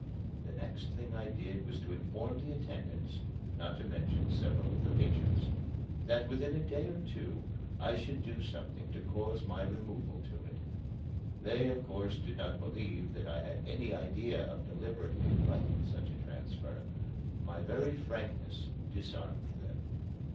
The next thing I did was to inform the attendants (not to mention several of the patients) that within a day or two I should do something to cause my removal to it. They of course did not believe that I had any idea of deliberately inviting such a transfer. My very frankness disarmed them.